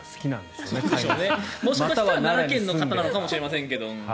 もしかしたら奈良県の方なのかもしれないですけど。